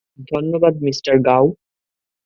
ধন্যবাদ, মিস্টার গাও।